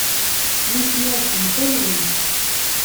Nitni ɣsen talwit.